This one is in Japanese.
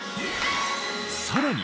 さらに